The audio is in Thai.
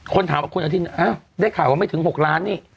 คนถามว่าคุณอนุทินอ้าวได้ข่าวว่าไม่ถึง๖ล้านนี่